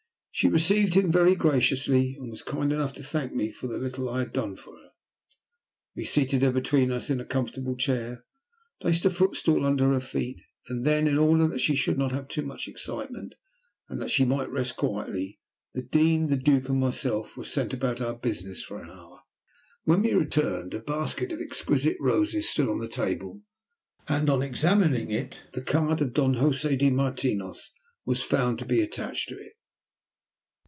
She received him very graciously, and was kind enough to thank me for the little I had done for her. We seated her between us in a comfortable chair, placed a footstool under her feet, and then, in order that she should not have too much excitement, and that she might rest quietly, the Dean, the Duke, and myself were sent about our business for an hour. When we returned, a basket of exquisite roses stood on the table, and on examining it the card of Don Josè de Martinos was found to be attached to it.